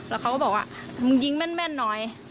แล้วเขาก็บอกว่ามึงยิงแม่นหน่อย